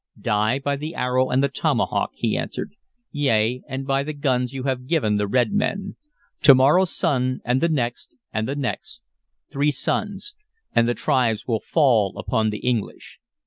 "Die by the arrow and the tomahawk," he answered, "yea, and by the guns you have given the red men. To morrow's sun, and the next, and the next, three suns, and the tribes will fall upon the English.